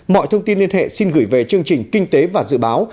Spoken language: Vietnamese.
mọi thông tin liên hệ xin gửi về chương trình kinh tế và dự báo